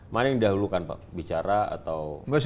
mana yang didahulukan pak bicara atau